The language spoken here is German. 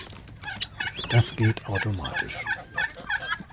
Das geht automatisch.